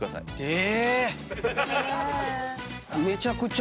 え。